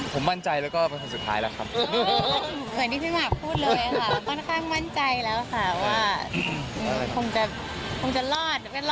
ผมมั่นใจแล้วก็แล้วว่ามันสุดท้ายละครับ